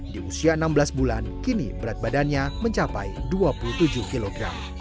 di usia enam belas bulan kini berat badannya mencapai dua puluh tujuh kg